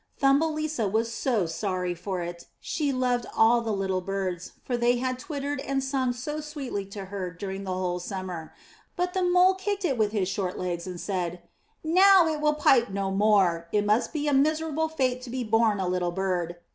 Thumbelisa was so sorry for it; she loved all the little birds, for they had twittered and sung so sweetly to her during the whole summer; but the Mole kicked it with his short legs and said, ''Now it will pipe no more; it must be a miserable fate to be born a little bird